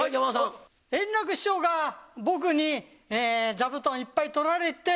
円楽師匠が僕に座布団いっぱい取られて、